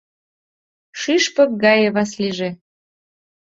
Шӱшпык гае Васлиже.